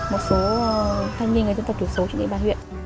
một số thanh niên người dân tộc thiểu số trên địa bàn huyện